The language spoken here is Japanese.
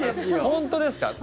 本当ですか？